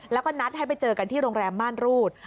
แล้วก็นัดให้ไปเจอกันที่โรงแรมม่านรูด